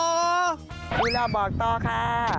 รู้แล้วบอกต่อค่ะ